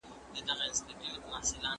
آیا تاریخي ځایونه تر نویو ودانیو زاړه دي؟